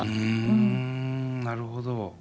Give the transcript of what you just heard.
うんなるほど。